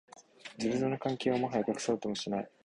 ズブズブの関係をもはや隠そうともしない